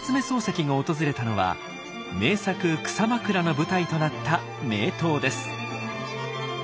漱石が訪れたのは名作「草枕」の舞台となった名湯です。